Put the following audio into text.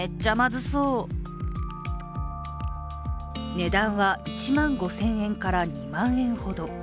値段は１万５０００円から２万円ほど。